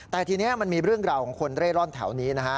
แต่ทีนี้มันมีเรื่องราวของคนเร่ร่อนแถวนี้นะฮะ